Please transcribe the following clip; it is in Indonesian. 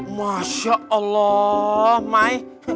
masya allah mai